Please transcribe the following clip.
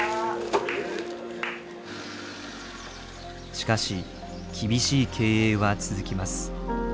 しかし厳しい経営は続きます。